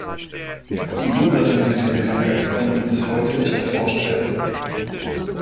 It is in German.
Die Ursachen für diese Krankheit konnten bis heute nicht erforscht werden.